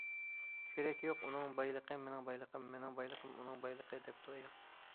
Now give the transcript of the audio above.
- كېرەك يوق ئۇنىڭ بايلىقى مېنىڭ بايلىقىم، مېنىڭ بايلىقىم ئۇنىڭ بايلىقى- دەپتۇ ئايال.